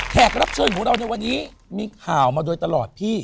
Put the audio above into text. รับเชิญของเราในวันนี้มีข่าวมาโดยตลอดพี่